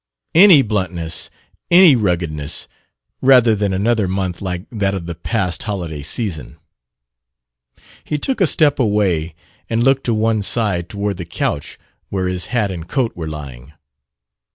Any bluntness, any ruggedness, rather than another month like that of the past holiday season. He took a step away and looked to one side, toward the couch where his hat and coat were lying.